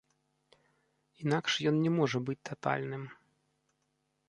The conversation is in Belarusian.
Інакш ён не можа быць татальным.